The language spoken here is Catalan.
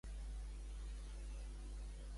En Jan m'ha enviat algun missatge de Viber recentment?